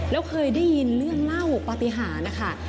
แล้วเคยได้ยินเรื่องเล่าปฏิหารนะคะ